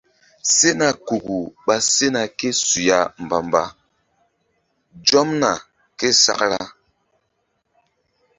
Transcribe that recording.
Sena kuku ɓa sena ké su ya mbamba zomna ké sakra.